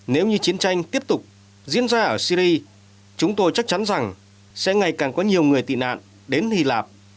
nếu như chiến tranh tiếp tục diễn ra ở syri chúng tôi chắc chắn rằng sẽ ngày càng có nhiều người tị nạn đến hy lạp